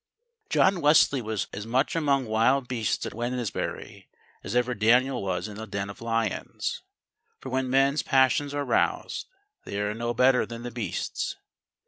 John Wesley was as much among wild beasts at Wednesbury, as ever Daniel was in the den of lions, for when men's passions are roused they are no better than the beasts.